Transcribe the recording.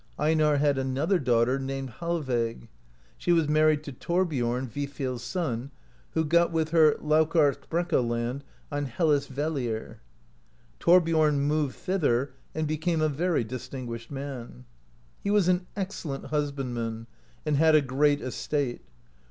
Einar had another daughter named Hallveig; she was married to Thorbiom, Vifirs son (27), who got with her Laug arbrekka land on Hellisvellir. Thorbiorn moved thither, and became a very distinguished man. He was an excel lent husbandman, and had a great estate.